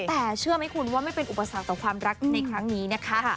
แต่เชื่อไหมคุณว่าไม่เป็นอุปสรรคต่อความรักในครั้งนี้นะคะ